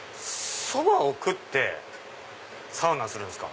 そばを食ってサウナするんですか？